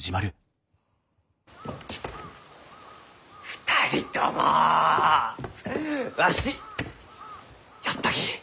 ２人ともわしやったき。